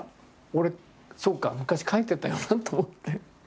俺そうか昔描いてたよなと思って。